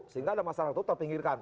sehingga ada masalah itu terpinggirkan